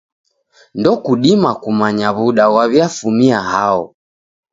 Ndokudima kumanya w'uda ghwaw'iafumia hao.